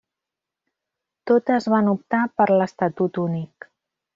Totes van optar per l'estatut únic.